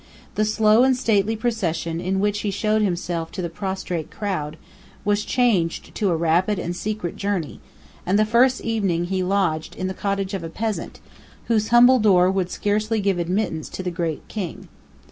The slow and stately procession in which he showed himself to the prostrate crowd, was changed to a rapid and secret journey; and the first evening he lodged in the cottage of a peasant, whose humble door would scarcely give admittance to the great king.